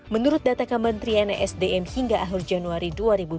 menurut data kementerian sdm hingga akhir januari dua ribu dua puluh